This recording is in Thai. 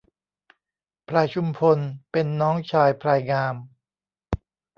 พลายชุมพลเป็นน้องชายพลายงาม